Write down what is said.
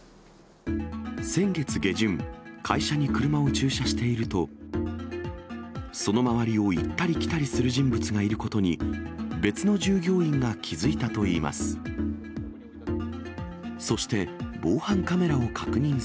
先月下旬、会社に車を駐車していると、その周りを行ったり来たりする人物がいることに、別の従業員が気付いたといいます。